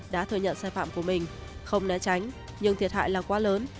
đã thừa nhận sai phạm của mình không né tránh nhưng thiệt hại là quá lớn